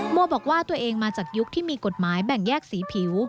โมบอกว่าตัวเองมาจากยุคที่มีกฎหมายแบ่งแยกสีผิว